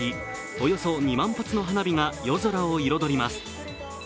およそ２万発の花火が夜空を彩ります。